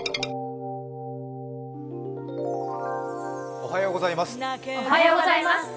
おはようございます。